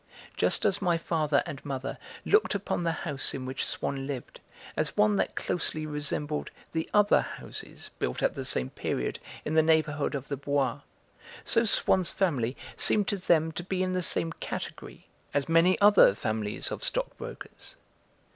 Just as my father and mother looked upon the house in which Swann lived as one that closely resembled the other houses built at the same period in the neighbourhood of the Bois, so Swann's family seemed to them to be in the same category as many other families of stockbrokers.